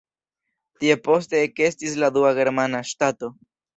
Tie poste ekestis la dua germana ŝtato.